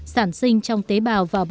sản sinh trong tế bào